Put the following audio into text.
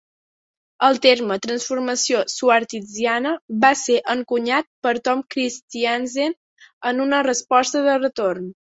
El terme "Transformació Schwartziana" va ser encunyat per Tom Christiansen en una resposta de retorn.